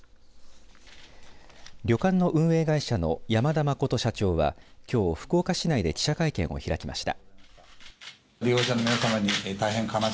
旅館の運営会社の山田真社長はきょう福岡市内で記者会見を開きました。